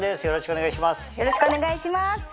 よろしくお願いします。